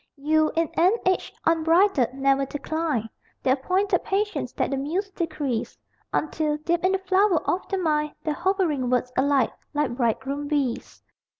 You, in an age unbridled, ne'er declined The appointed patience that the Muse decrees, Until, deep in the flower of the mind The hovering words alight, like bridegroom bees.